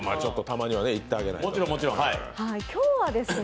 たまには行ってあげないとね。